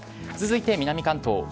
続いて南関東。